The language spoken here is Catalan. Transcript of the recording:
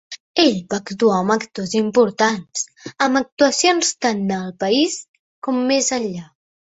Ell va actuar amb actors importants, amb actuacions tant al país com més enllà.